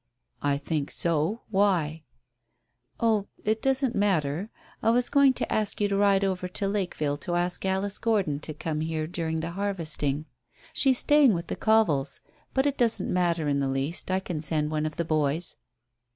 "I think so. Why?" "Oh it doesn't matter I was going to ask you to ride over to Lakeville to ask Alice Gordon to come here during the harvesting. She's staying with the Covills. But it doesn't matter in the least, I can send one of the boys."